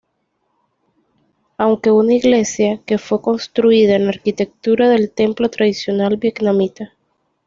Aunque una iglesia, que fue construida en la arquitectura del templo tradicional vietnamita.